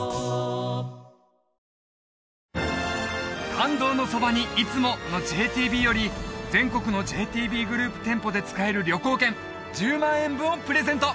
「感動のそばに、いつも。」のＪＴＢより全国のＪＴＢグループ店舗で使える旅行券１０万円分をプレゼント！